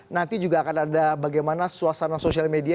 nanti juga akan ada bagaimana suasana sosial media